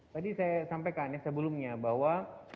tadi saya sampaikan ya sebelumnya bahwa